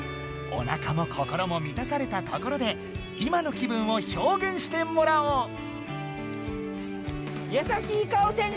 おなかも心もみたされたところで今の気分をひょうげんしてもらおう！